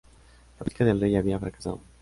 La política del rey había fracasado.